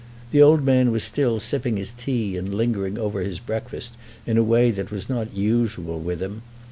The old man was still sipping his tea and lingering over his breakfast in a way that was not usual with him.